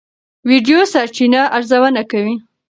ویډیو سرچینه ارزونه کوي.